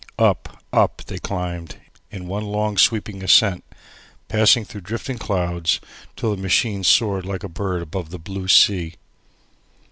Up, up, they climbed in one long sweeping ascent, passing through drifting clouds till the machine soared like a bird above the blue sea.